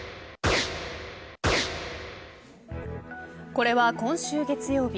これは今週月曜日。